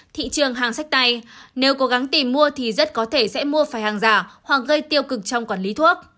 thị trường hàng sách tay nếu cố gắng tìm mua thì rất có thể sẽ mua phải hàng rãi